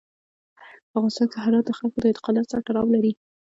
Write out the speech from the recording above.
په افغانستان کې هرات د خلکو د اعتقاداتو سره تړاو لري.